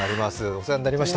お世話になりました。